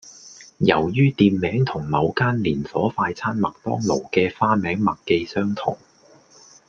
由於店名同某間連鎖快餐麥當勞嘅花名麥記相同